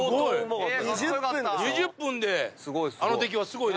２０分であの出来はすごいですよ。